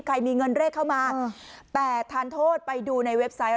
มีเงินเลขเข้ามาแต่ทานโทษไปดูในเว็บไซต์